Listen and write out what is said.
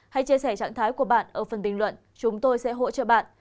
hãy chia sẻ trạng thái của bạn ở phần bình luận chúng tôi sẽ hỗ trợ bạn